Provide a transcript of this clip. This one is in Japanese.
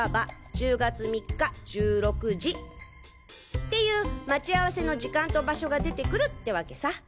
１０月３日１６時っていう待ち合わせの時間と場所が出てくるってワケさ！